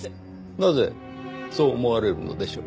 なぜそう思われるのでしょう？